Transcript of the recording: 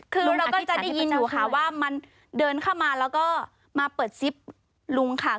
คือเราก็จะได้ยินอยู่ค่ะว่ามันเดินเข้ามาแล้วก็มาเปิดซิปลุงค่ะ